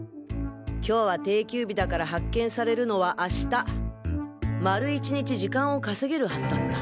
今日は定休日だから発見されるのは明日丸一日時間を稼げるはずだった。